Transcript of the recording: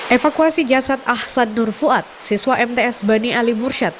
evakuasi jasad ahsan nur fuad siswa mts bani ali mursyad